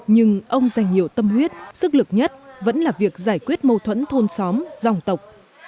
nhưng ông dành nhiều tâm huyết sức lực nhất vẫn là việc giải quyết mâu thuẫn thôn xóm dòng tộc